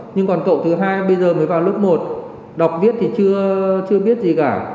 nhưng còn cậu thứ hai bây giờ mới vào lớp một đọc viết thì chưa biết gì cả